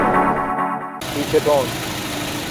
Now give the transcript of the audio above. پیچ تند